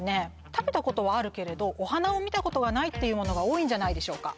食べたことはあるけれどお花を見たことがないっていうものが多いんじゃないでしょうか